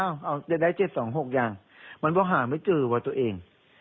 อ้าวเอาได้ได้เจ็ดสองหกอย่างมันก็หาไม่จือว่าตัวเอง